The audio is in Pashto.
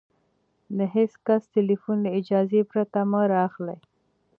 د هېڅ کس ټلیفون له اجازې پرته مه را اخلئ!